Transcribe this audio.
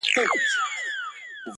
• همېشه وي ګنډکپانو غولولی -